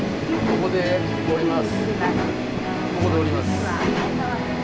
ここで降ります。